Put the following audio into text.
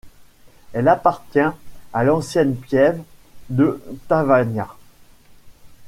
Elle appartient à l'ancienne piève de Tavagna.